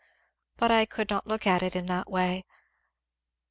But I could not look at it in that way.